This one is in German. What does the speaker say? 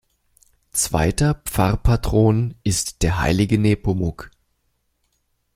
Zweiter Pfarrpatron ist der Heilige Nepomuk.